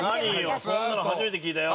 そんなの初めて聞いたよ。